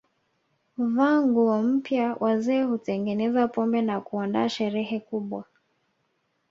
Huvaa nguo mpya wazee hutengeneza pombe na kuandaa sherehe kubwa